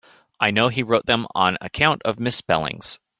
I know he wrote them on account of the misspellings.